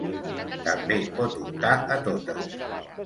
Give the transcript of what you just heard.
També pot optar a totes.